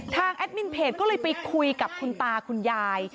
แอดมินเพจก็เลยไปคุยกับคุณตาคุณยาย